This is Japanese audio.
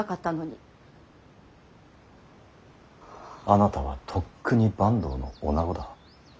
あなたはとっくに坂東の女子だ。